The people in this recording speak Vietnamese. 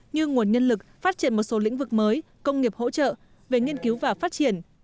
như nguồn nhân lực phát triển một số lĩnh vực mới công nghiệp hỗ trợ về nghiên cứu và phát triển